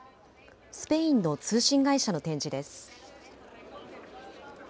スペインの通信会社の展示です。